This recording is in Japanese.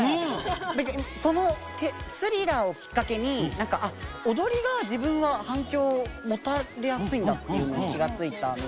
何かその「スリラー」をきっかけにあ踊りが自分は反響をもたれやすいんだっていうのに気が付いたんで。